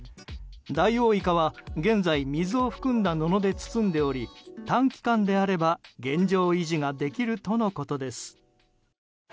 ダイオウイカは現在水を含んだ布で包んでおり短期間であれば現状維持ができるとのことです。